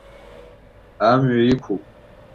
Амҩа иқәуп.